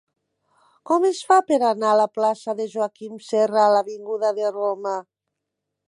Com es fa per anar de la plaça de Joaquim Serra a l'avinguda de Roma?